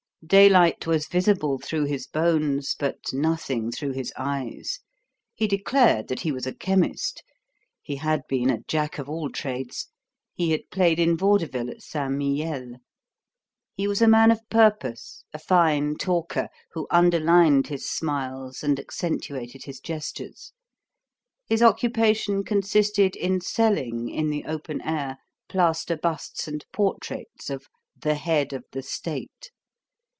Daylight was visible through his bones, but nothing through his eyes. He declared that he was a chemist. He had been a jack of all trades. He had played in vaudeville at Saint Mihiel. He was a man of purpose, a fine talker, who underlined his smiles and accentuated his gestures. His occupation consisted in selling, in the open air, plaster busts and portraits of "the head of the State."